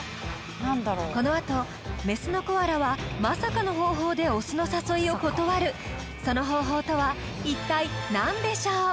このあとメスのコアラはまさかの方法でオスの誘いを断るその方法とは一体何でしょう？